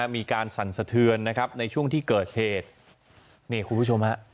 มีการสั่นสะเทือนในช่วงที่เกิดเหตุคุณผู้ชมฮะ